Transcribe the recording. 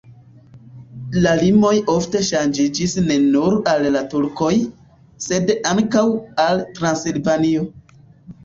La limoj ofte ŝanĝiĝis ne nur al la turkoj, sed ankaŭ al Transilvanio.